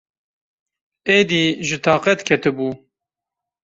Êdî ji taqet ketibû.